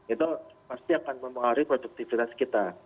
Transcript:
itu pasti akan mempengaruhi produktivitas kita